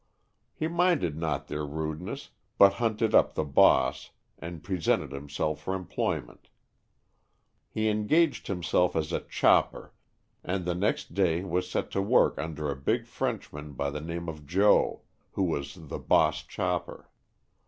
He minded not their rudeness, but hunted up the "boss'' and presented himself for employment. He engaged himself as a chopper and the next day was set to work under a big Frenchman by the name of Joe, who was 108 Stories from the Adirondack^. the "boss chopper.